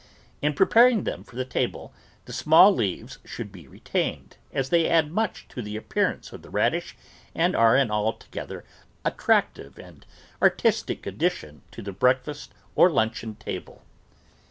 In preparing them for the table, the small leaves should be retained, as they add much to the appearance of the radish and are an altogether attractive and artistic addition to the breakfast or luncheon table.